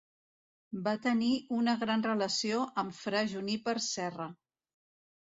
Va tenir una gran relació amb fra Juníper Serra.